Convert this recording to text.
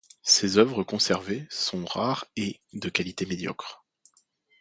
Ses œuvres conservées sont rares et de qualité médiocre.